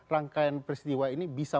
rangkaian peristiwa ini bisa